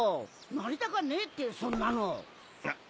なりたかねえってそんなの。